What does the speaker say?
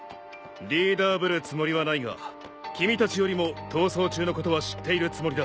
リーダーぶるつもりはないが君たちよりも逃走中のことは知っているつもりだ。